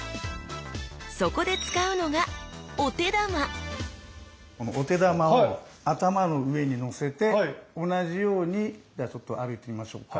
そこで使うのがこのお手玉を頭の上に乗せて同じように歩いてみましょうか。